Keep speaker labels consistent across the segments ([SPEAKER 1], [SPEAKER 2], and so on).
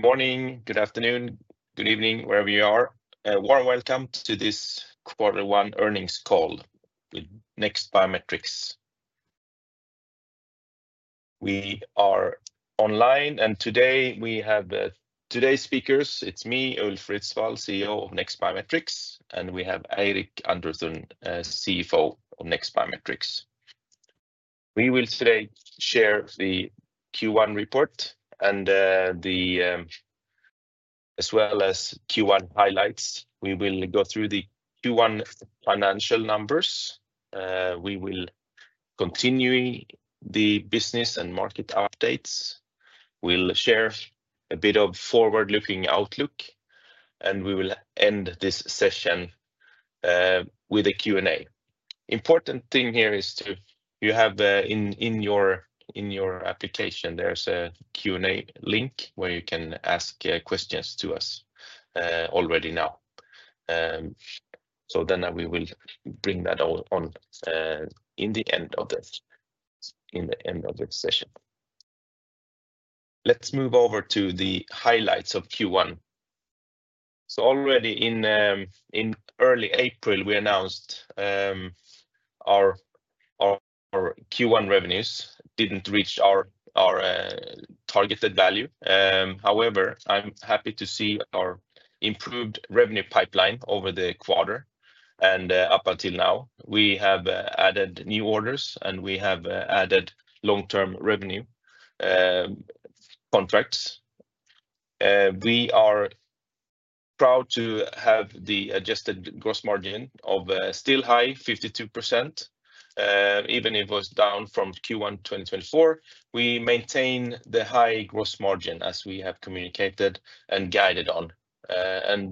[SPEAKER 1] Good morning, good afternoon, good evening, wherever you are. A warm welcome to this Quarter One earnings call with NEXT Biometrics. We are online, and today we have today's speakers. It's me, Ulf Ritsvall, CEO of NEXT Biometrics, and we have Eirik Underthun, CFO of NEXT Biometrics. We will share the Q1 report and, as well as Q1 highlights. We will go through the Q1 financial numbers. We will continue the business and market updates. We'll share a bit of forward-looking outlook, and we will end this session with a Q&A. Important thing here is to, you have in your application, there's a Q&A link where you can ask questions to us already now. We will bring that on in the end of this, in the end of this session. Let's move over to the highlights of Q1. Already in early April, we announced our Q1 revenues did not reach our targeted value. However, I am happy to see our improved revenue pipeline over the quarter. Up until now, we have added new orders, and we have added long-term revenue contracts. We are proud to have the adjusted gross margin still high, 52%, even if it was down from Q1 2024. We maintain the high gross margin as we have communicated and guided on.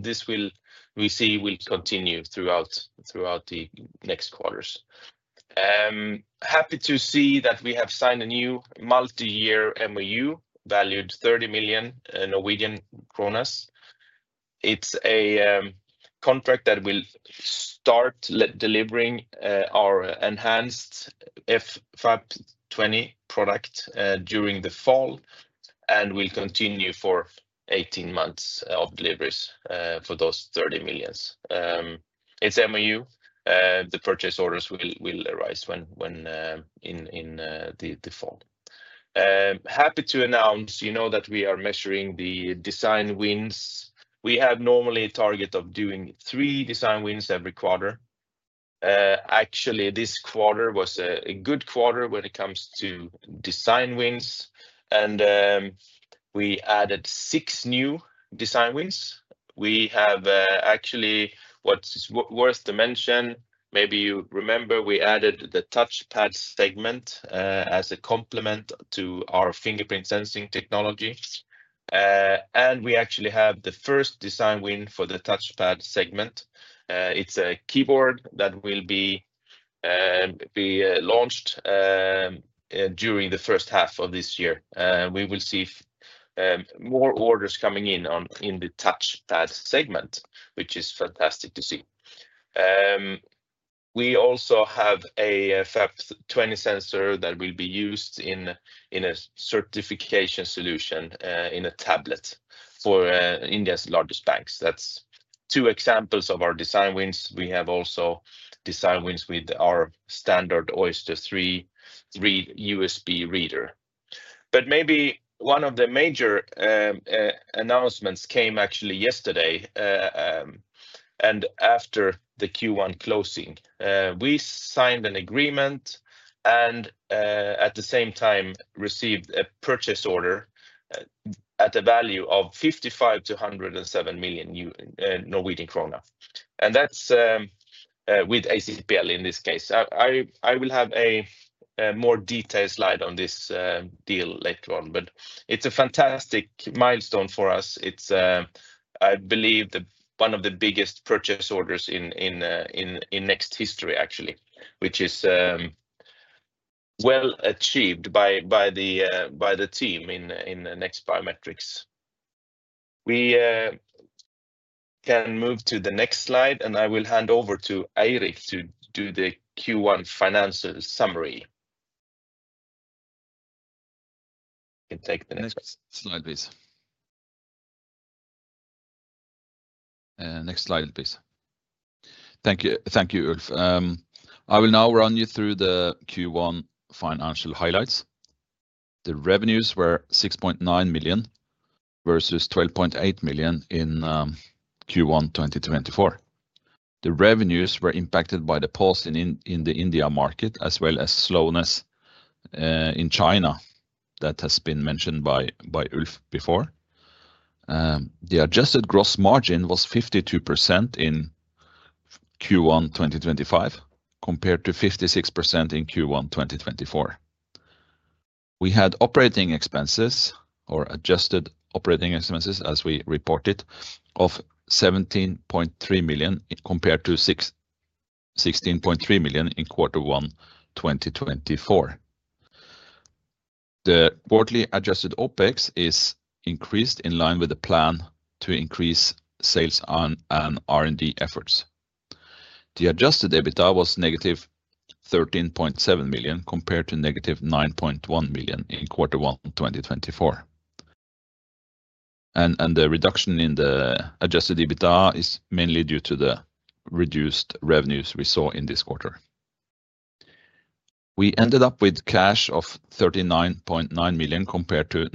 [SPEAKER 1] This, we see, will continue throughout the next quarters. I am happy to see that we have signed a new multi-year MOU valued at NOK 30 million. It is a contract that will start delivering our enhanced F520 product during the fall and will continue for 18 months of deliveries for those 30 million. It is an MOU. The purchase orders will arise in the fall. Happy to announce, you know that we are measuring the design wins. We have normally a target of doing three design wins every quarter. Actually, this quarter was a good quarter when it comes to design wins, and we added six new design wins. We have actually what's worth to mention, maybe you remember we added the touchpad segment as a complement to our fingerprint sensing technology. And we actually have the first design win for the touchpad segment. It's a keyboard that will be launched during the first half of this year. We will see more orders coming in on the touchpad segment, which is fantastic to see. We also have a FAP20 sensor that will be used in a certification solution in a tablet for India's largest banks. That's two examples of our design wins. We have also design wins with our standard Oyster III USB reader. Maybe one of the major announcements came actually yesterday. After the Q1 closing, we signed an agreement and at the same time received a purchase order at a value of 55 million-107 million Norwegian krone. That is with ACPL in this case. I will have a more detailed slide on this deal later on, but it is a fantastic milestone for us. It is, I believe, one of the biggest purchase orders in NEXT history, actually, which is well achieved by the team in NEXT Biometrics. We can move to the next slide, and I will hand over to Eirik to do the Q1 financial summary. You can take the next slide, please.
[SPEAKER 2] Next slide, please. Thank you, Ulf. I will now run you through the Q1 financial highlights. The revenues were 6.9 million versus 12.8 million in Q1 2024. The revenues were impacted by the pause in the India market, as well as slowness in China that has been mentioned by Ulf before. The adjusted gross margin was 52% in Q1 2025 compared to 56% in Q1 2024. We had operating expenses or adjusted operating expenses, as we reported, of 17.3 million compared to 16.3 million in Q1 2024. The quarterly adjusted OpEx is increased in line with the plan to increase sales and R&D efforts. The adjusted EBITDA was negative 13.7 million compared to negative 9.1 million in Q1 2024. The reduction in the adjusted EBITDA is mainly due to the reduced revenues we saw in this quarter. We ended up with cash of 39.9 million compared to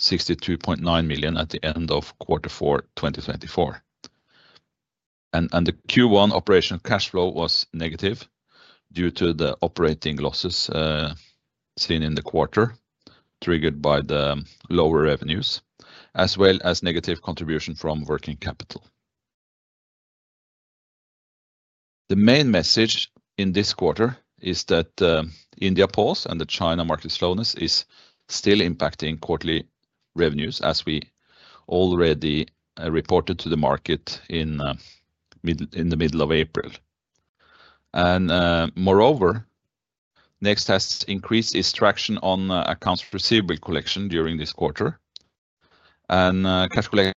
[SPEAKER 2] 62.9 million at the end of Q4 2024. The Q1 operational cash flow was negative due to the operating losses seen in the quarter triggered by the lower revenues, as well as negative contribution from working capital. The main message in this quarter is that the India pause and the China market slowness is still impacting quarterly revenues, as we already reported to the market in the middle of April. Moreover, Next has increased its traction on accounts receivable collection during this quarter and calculated.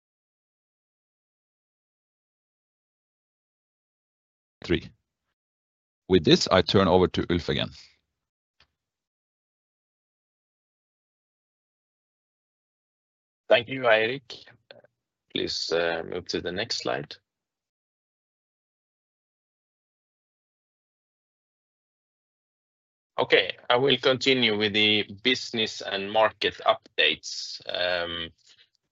[SPEAKER 2] With this, I turn over to Ulf again.
[SPEAKER 1] Thank you, Eirik. Please move to the next slide. Okay, I will continue with the business and market updates. I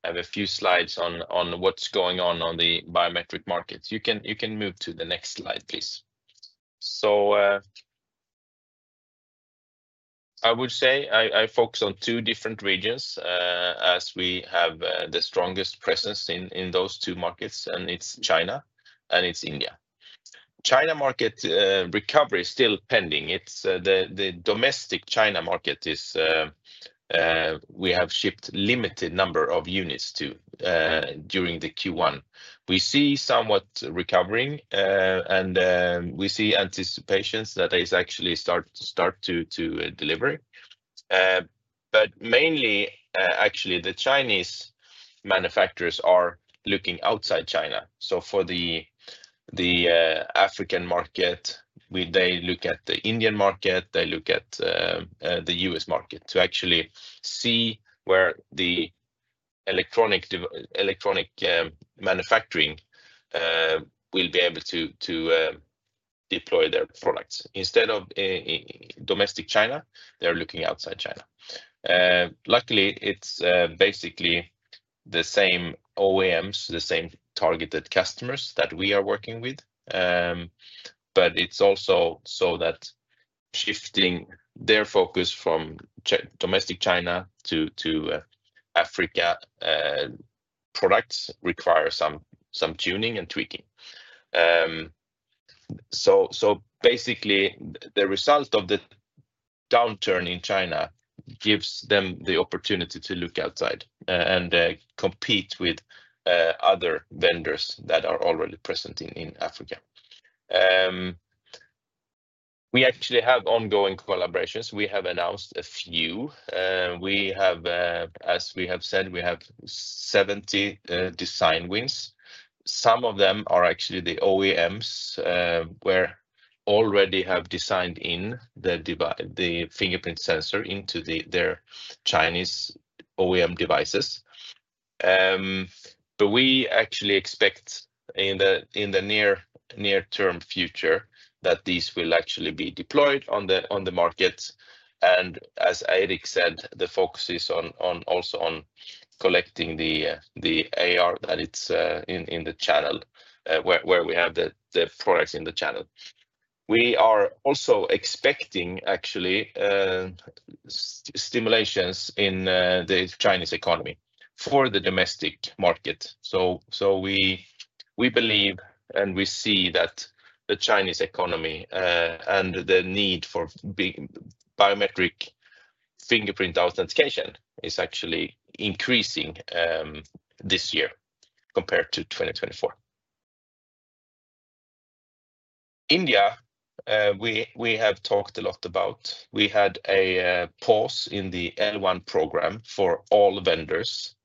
[SPEAKER 1] have a few slides on what's going on on the biometric markets. You can move to the next slide, please. I would say I focus on two different regions as we have the strongest presence in those two markets, and it's China and it's India. China market recovery is still pending. The domestic China market is we have shipped a limited number of units to during the Q1. We see somewhat recovering, and we see anticipations that they actually start to deliver. Mainly, actually, the Chinese manufacturers are looking outside China. For the African market, they look at the Indian market, they look at the U.S. market to actually see where the electronic manufacturing will be able to deploy their products. Instead of domestic China, they're looking outside China. Luckily, it's basically the same OEMs, the same targeted customers that we are working with. It is also so that shifting their focus from domestic China to Africa products requires some tuning and tweaking. Basically, the result of the downturn in China gives them the opportunity to look outside and compete with other vendors that are already present in Africa. We actually have ongoing collaborations. We have announced a few. As we have said, we have 70 design wins. Some of them are actually the OEMs where they already have designed in the fingerprint sensor into their Chinese OEM devices. We actually expect in the near-term future that these will actually be deployed on the market. As Eirik said, the focus is also on collecting the AR that is in the channel where we have the products in the channel. We are also expecting actually stimulations in the Chinese economy for the domestic market. We believe and we see that the Chinese economy and the need for biometric fingerprint authentication is actually increasing this year compared to 2024. India, we have talked a lot about. We had a pause in the L1 program for all vendors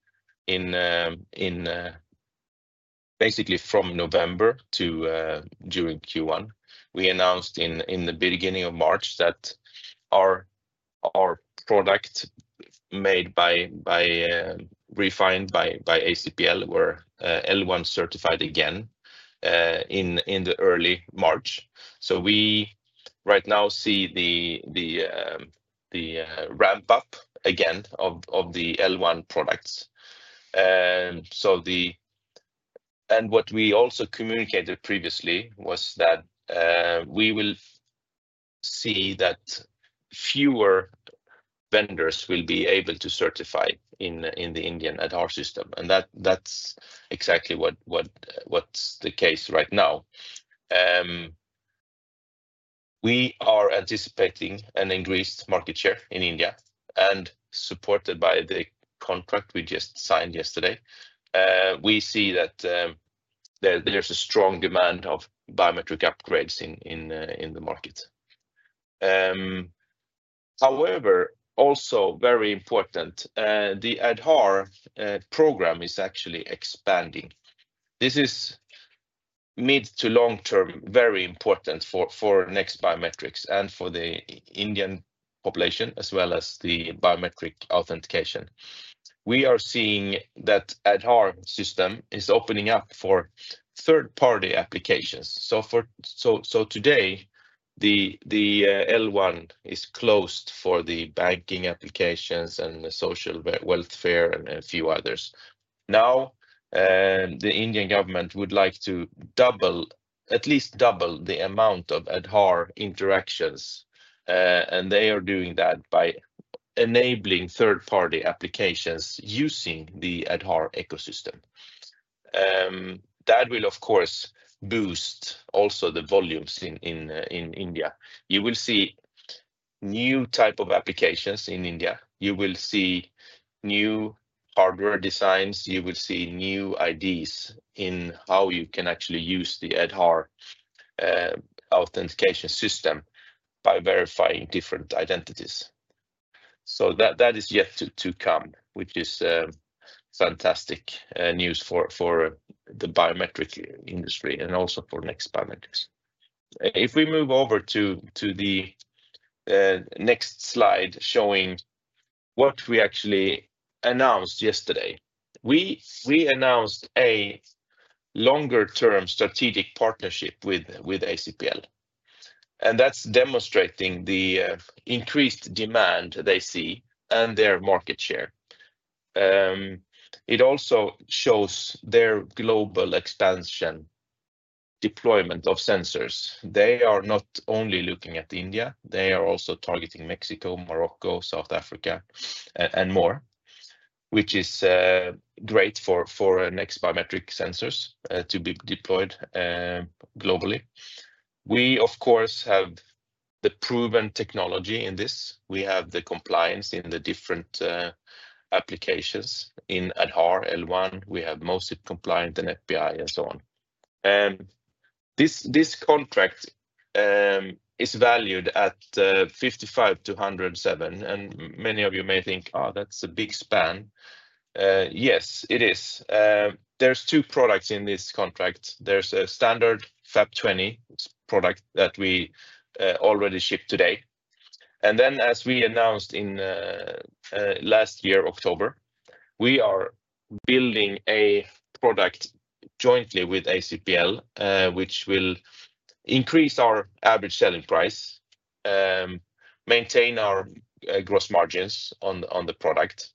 [SPEAKER 1] basically from November to during Q1. We announced in the beginning of March that our product made by, refined by ACPL, were L1 certified again in early March. We right now see the ramp-up again of the L1 products. What we also communicated previously was that we will see that fewer vendors will be able to certify in the Indian Aadhaar system. That's exactly what's the case right now. We are anticipating an increased market share in India, supported by the contract we just signed yesterday. We see that there's a strong demand of biometric upgrades in the market. However, also very important, the Aadhaar program is actually expanding. This is mid to long-term very important for NEXT Biometrics and for the Indian population as well as the biometric authentication. We are seeing that the Aadhaar system is opening up for third-party applications. Today, the L1 is closed for the banking applications and the social welfare and a few others. Now, the Indian government would like to at least double the amount of Aadhaar interactions. They are doing that by enabling third-party applications using the Aadhaar ecosystem. That will, of course, also boost the volumes in India. You will see new types of applications in India. You will see new hardware designs. You will see new IDs in how you can actually use the Aadhaar authentication system by verifying different identities. That is yet to come, which is fantastic news for the biometric industry and also for NEXT Biometrics. If we move over to the next slide showing what we actually announced yesterday, we announced a longer-term strategic partnership with ACPL. That is demonstrating the increased demand they see and their market share. It also shows their global expansion deployment of sensors. They are not only looking at India. They are also targeting Mexico, Morocco, South Africa, and more, which is great for NEXT Biometrics sensors to be deployed globally. We, of course, have the proven technology in this. We have the compliance in the different applications in Aadhaar L1. We have mostly compliant and FBI and so on. This contract is valued at 55 million to 107 million. And many of you may think, "Oh, that's a big span." Yes, it is. There are two products in this contract. There is a standard FAP20 product that we already ship today. And then, as we announced in last year, October, we are building a product jointly with ACPL, which will increase our average selling price, maintain our gross margins on the product.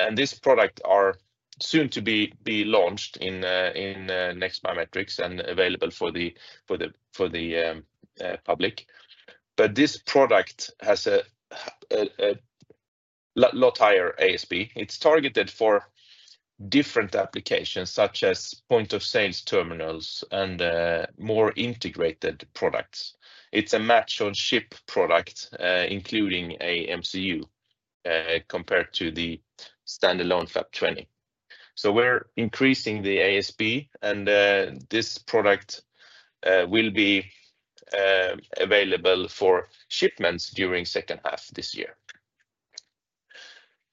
[SPEAKER 1] And this product is soon to be launched in NEXT Biometrics and available for the public. But this product has a lot higher ASP. It is targeted for different applications such as point-of-sales terminals and more integrated products. It is a match-on-chip product, including an MCU compared to the standalone FAP20. So we are increasing the ASP, and this product will be available for shipments during the second half of this year.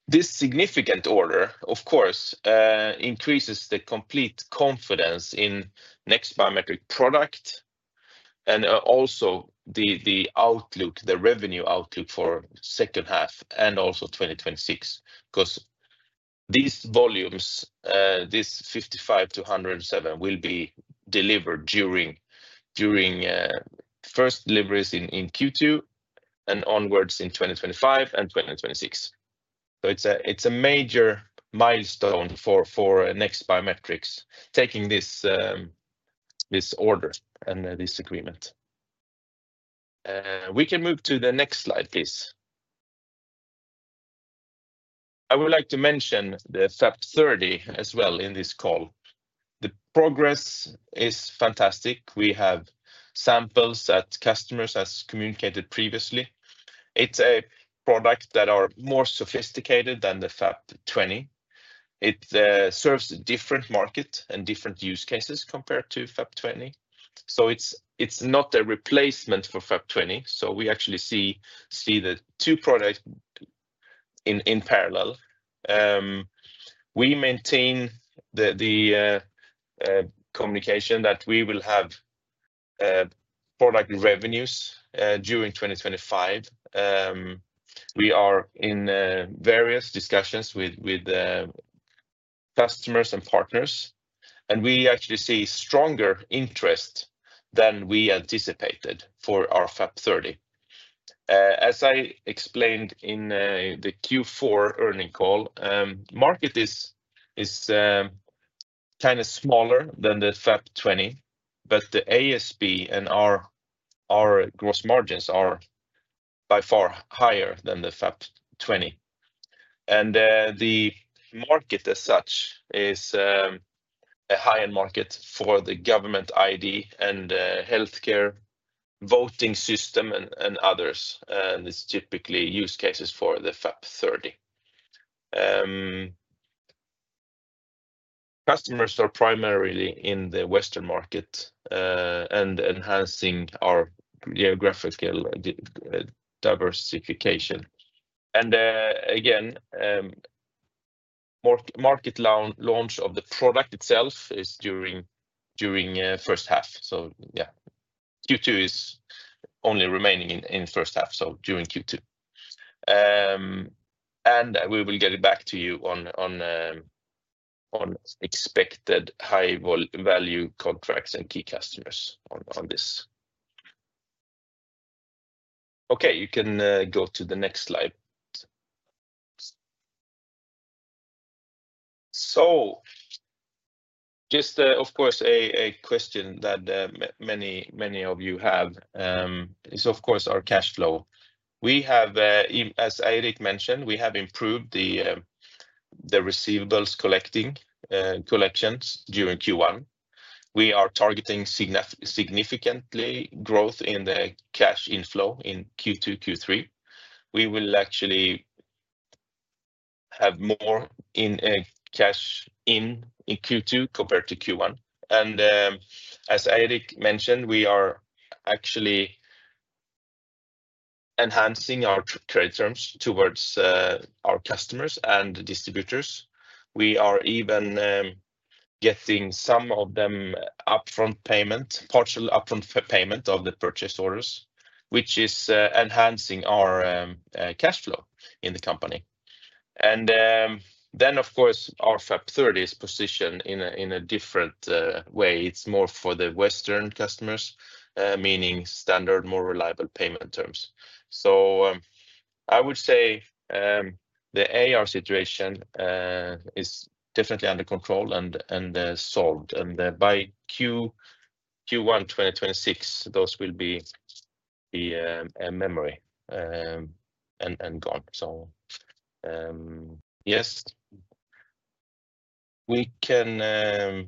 [SPEAKER 1] This significant order, of course, increases the complete confidence in NEXT Biometrics product and also the outlook, the revenue outlook for the second half and also 2026, because these volumes, this 55 million to 107 million, will be delivered during first deliveries in Q2 and onwards in 2025 and 2026. It is a major milestone for NEXT Biometrics taking this order and this agreement. We can move to the next slide, please. I would like to mention the FAP30 as well in this call. The progress is fantastic. We have samples that customers have communicated previously. It is a product that is more sophisticated than the FAP20. It serves a different market and different use cases compared to FAP20. It is not a replacement for FAP20. We actually see the two products in parallel. We maintain the communication that we will have product revenues during 2025. We are in various discussions with customers and partners, and we actually see stronger interest than we anticipated for our FAP30. As I explained in the Q4 earnings call, the market is kind of smaller than the FAP20, but the ASP and our gross margins are by far higher than the FAP20. The market as such is a high-end market for the government ID and healthcare voting system and others. It is typically use cases for the FAP30. Customers are primarily in the Western market and enhancing our geographical diversification. The market launch of the product itself is during the first half. Q2 is only remaining in the first half, so during Q2. We will get back to you on expected high-value contracts and key customers on this. Okay, you can go to the next slide. Just, of course, a question that many of you have is, of course, our cash flow. As Eirik mentioned, we have improved the receivables collections during Q1. We are targeting significantly growth in the cash inflow in Q2, Q3. We will actually have more cash in Q2 compared to Q1. As Eirik mentioned, we are actually enhancing our trade terms towards our customers and distributors. We are even getting some of them upfront payment, partial upfront payment of the purchase orders, which is enhancing our cash flow in the company. Our FAP30 is positioned in a different way. It's more for the Western customers, meaning standard, more reliable payment terms. I would say the AR situation is definitely under control and solved. By Q1 2026, those will be a memory and gone. Yes,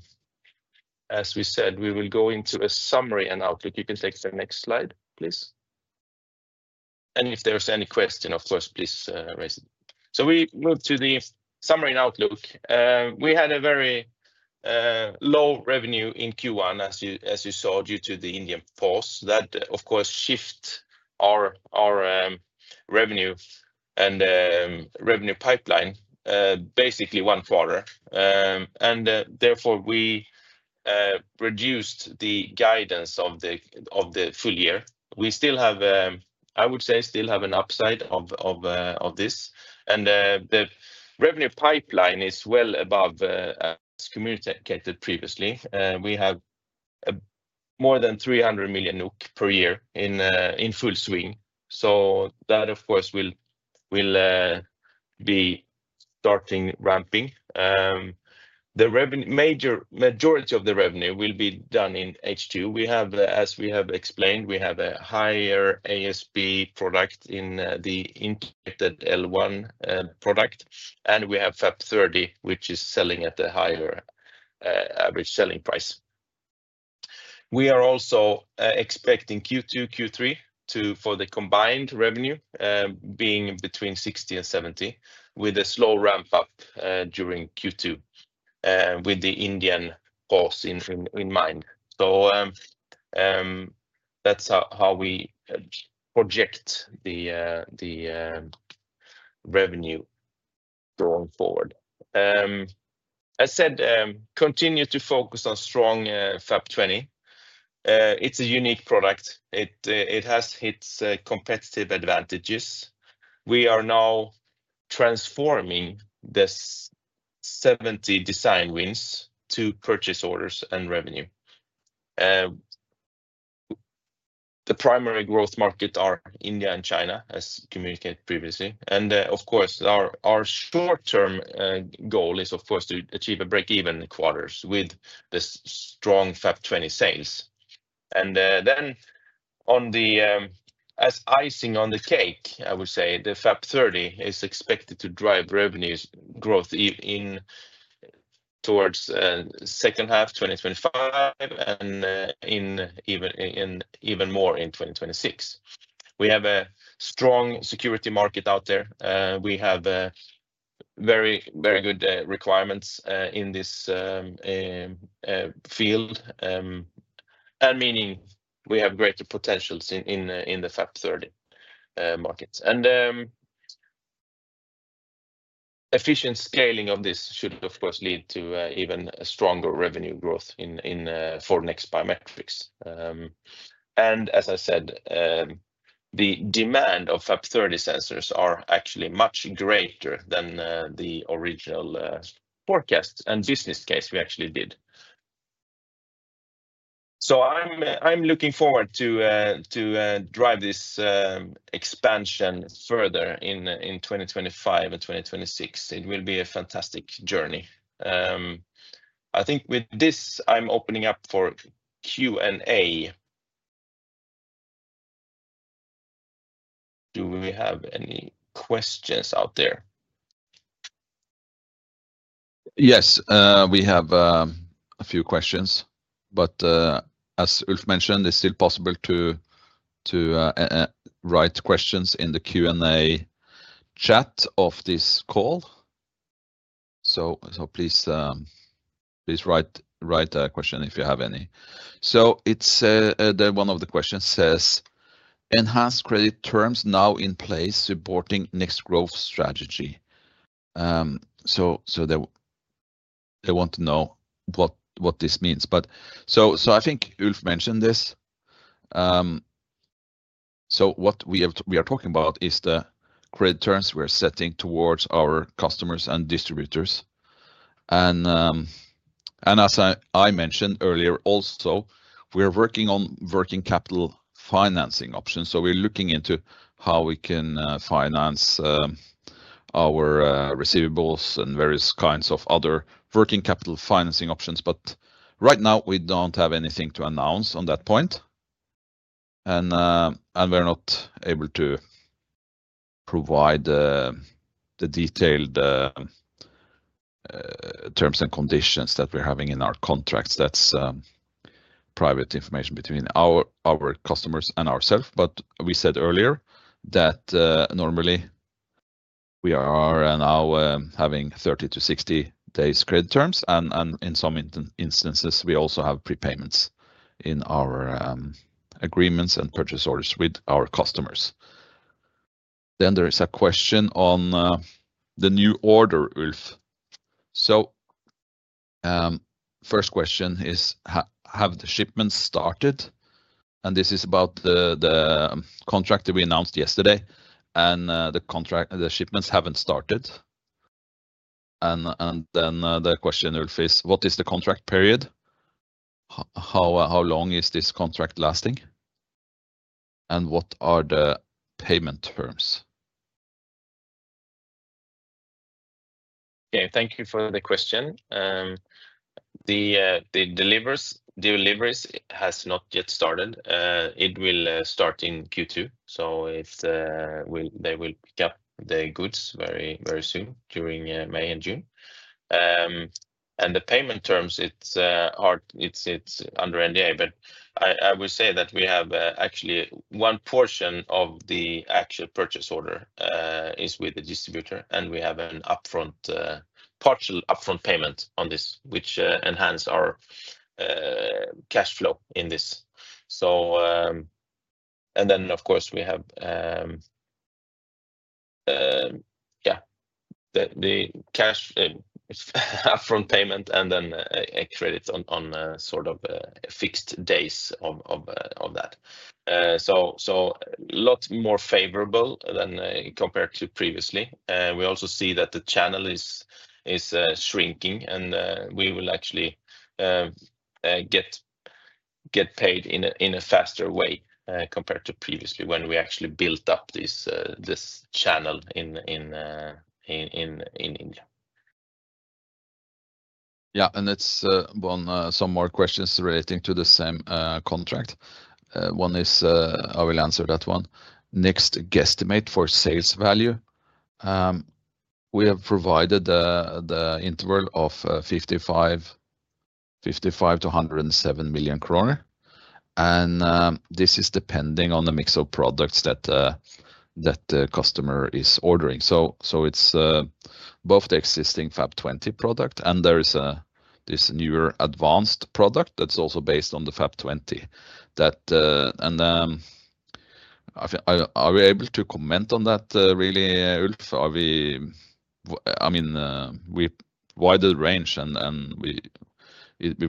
[SPEAKER 1] as we said, we will go into a summary and outlook. You can take the next slide, please. If there's any question, of course, please raise it. We move to the summary and outlook. We had a very low revenue in Q1, as you saw, due to the Indian pause that, of course, shifted our revenue and revenue pipeline basically one quarter. Therefore, we reduced the guidance of the full year. I would say we still have an upside of this. The revenue pipeline is well above, as communicated previously. We have more than 300 million per year in full swing. That, of course, will be starting ramping. The majority of the revenue will be done in H2. As we have explained, we have a higher ASP product in the intake L1 product, and we have FAP30, which is selling at a higher average selling price. We are also expecting Q2, Q3 for the combined revenue being between 60 million and 70 million, with a slow ramp-up during Q2 with the Indian pause in mind. That is how we project the revenue going forward. As I said, continue to focus on strong FAP20. It is a unique product. It has its competitive advantages. We are now transforming this 70 design wins to purchase orders and revenue. The primary growth markets are India and China, as communicated previously. Of course, our short-term goal is, of course, to achieve a break-even quarter with the strong FAP20 sales. As icing on the cake, I would say the FAP30 is expected to drive revenue growth towards the second half of 2025 and even more in 2026. We have a strong security market out there. We have very good requirements in this field, meaning we have greater potentials in the FAP30 markets. Efficient scaling of this should, of course, lead to even stronger revenue growth for NEXT Biometrics. As I said, the demand of FAP30 sensors is actually much greater than the original forecast and business case we actually did. I am looking forward to drive this expansion further in 2025 and 2026. It will be a fantastic journey. I think with this, I am opening up for Q&A. Do we have any questions out there?
[SPEAKER 2] Yes, we have a few questions. As Ulf mentioned, it's still possible to write questions in the Q&A chat of this call. Please write a question if you have any. One of the questions says, "Enhanced credit terms now in place supporting Next Growth Strategy." They want to know what this means. I think Ulf mentioned this. What we are talking about is the credit terms we're setting towards our customers and distributors. As I mentioned earlier, also, we're working on working capital financing options. We're looking into how we can finance our receivables and various kinds of other working capital financing options. Right now, we don't have anything to announce on that point. We're not able to provide the detailed terms and conditions that we're having in our contracts. That's private information between our customers and ourselves. We said earlier that normally we are now having 30-60 days credit terms. In some instances, we also have prepayments in our agreements and purchase orders with our customers. There is a question on the new order, Ulf. The first question is, "Have the shipments started?" This is about the contract that we announced yesterday, and the shipments have not started. The question, Ulf, is, "What is the contract period? How long is this contract lasting? What are the payment terms?" Okay, thank you for the question. The deliveries have not yet started. It will start in Q2. They will pick up the goods very soon during May and June. The payment terms, it is under NDA. I will say that we have actually one portion of the actual purchase order is with the distributor, and we have an upfront partial upfront payment on this, which enhances our cash flow in this. Of course, we have, yeah, the cash upfront payment and then credits on sort of fixed days of that. A lot more favorable than compared to previously. We also see that the channel is shrinking, and we will actually get paid in a faster way compared to previously when we actually built up this channel in India. Yeah, and let's go on some more questions relating to the same contract. One is, I will answer that one. Next, guesstimate for sales value. We have provided the interval of 55 million to 107 million kroner. This is depending on the mix of products that the customer is ordering. It is both the existing FAP20 product, and there is this newer advanced product that is also based on the FAP20. Are we able to comment on that, really, Ulf? I mean, we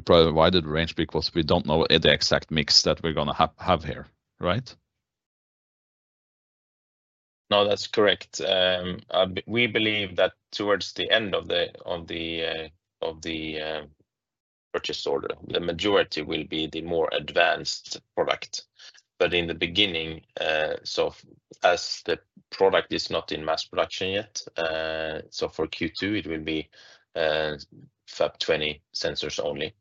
[SPEAKER 2] provide a wider range because we do not know the exact mix that we are going to have here, right? No, that is correct. We believe that towards the end of the purchase order, the majority will be the more advanced product. In the beginning, as the product is not in mass production yet, for Q2 it will be FAP20 sensors only.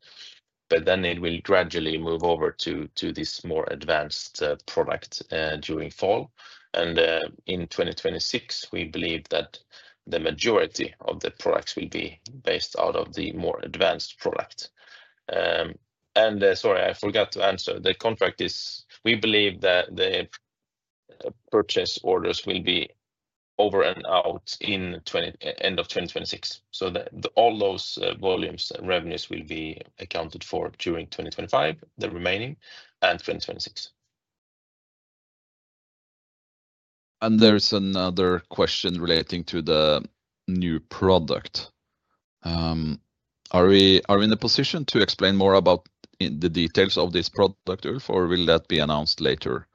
[SPEAKER 2] Then it will gradually move over to this more advanced product during fall. In 2026, we believe that the majority of the products will be based out of the more advanced product. Sorry, I forgot to answer. The contract is, we believe that the purchase orders will be over and out in the end of 2026. All those volumes and revenues will be accounted for during 2025, the remaining, and 2026. There's another question relating to the new product. Are we in a position to explain more about the details of this product, Ulf, or will that be announced later?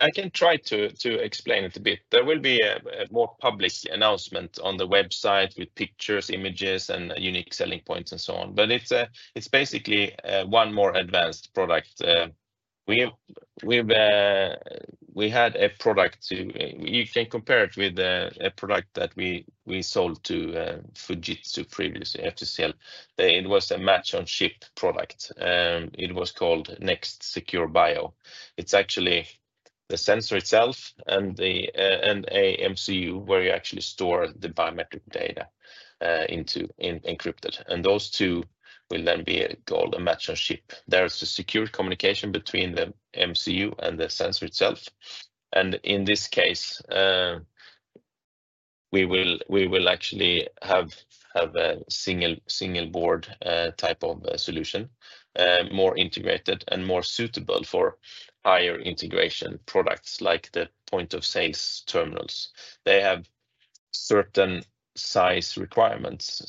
[SPEAKER 1] I can try to explain it a bit. There will be a more public announcement on the website with pictures, images, and unique selling points and so on. It is basically one more advanced product. We had a product; you can compare it with a product that we sold to Fujitsu previously. It was a match-on-chip product. It was called Next Secure Bio. It is actually the sensor itself and an MCU where you actually store the biometric data encrypted. Those two will then be called a match-on-chip. There is a secure communication between the MCU and the sensor itself. In this case, we will actually have a single board type of solution, more integrated and more suitable for higher integration products like the point-of-sales terminals. They have certain size requirements.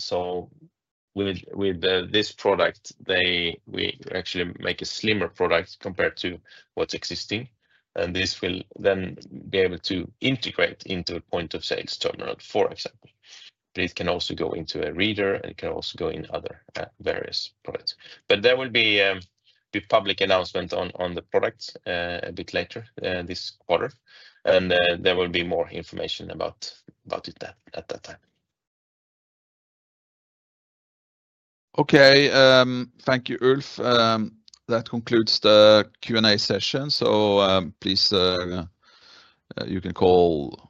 [SPEAKER 1] With this product, we actually make a slimmer product compared to what is existing. This will then be able to integrate into a point-of-sales terminal, for example. It can also go into a reader, and it can also go in other various products. There will be a public announcement on the product a bit later this quarter. There will be more information about it at that time.
[SPEAKER 2] Thank you, Ulf. That concludes the Q&A session. Please, you can call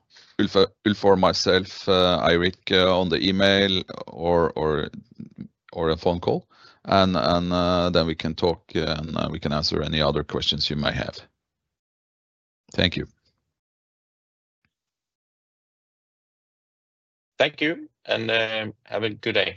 [SPEAKER 2] Ulf or myself, Eirik, on the email or a phone call. We can talk, and we can answer any other questions you may have. Thank you.
[SPEAKER 1] Thank you, and have a good day.